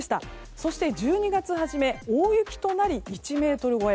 そして、１２月初め大雪となり、１ｍ超え。